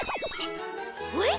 えっ？